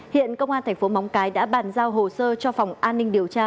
hiện công an thành phố móng cái đã bàn giao hồ sơ cho phòng an ninh điều tra